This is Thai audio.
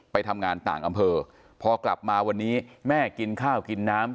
ไปทำงานต่างอำเภอพอกลับมาวันนี้แม่กินข้าวกินน้ำ